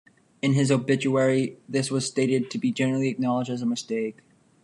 In his obituary, this was stated to be generally acknowledged as a mistake.